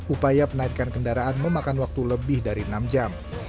upaya penaikan kendaraan memakan waktu lebih dari enam jam